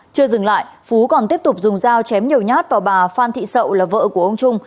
chưa dừng lại phú còn tiếp tục dùng dao chém nhiều nhát vào bà phan thị sậu là vợ của ông trung